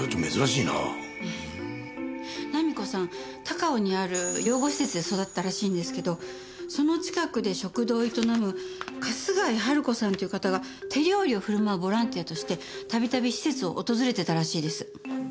高尾にある養護施設で育ったらしいんですけどその近くで食堂を営む春日井春子さんっていう方が手料理を振る舞うボランティアとしてたびたび施設を訪れてたらしいです。